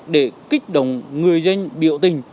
để kích động người dân biểu tình